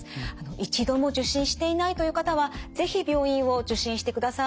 一度も受診していないという方は是非病院を受診してください。